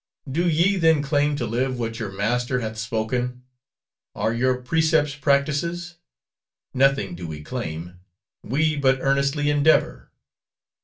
"Do ye then claim to live what your Master hath spoken? Are your precepts practices?" "Nothing do we claim: we but earnestly endeavor."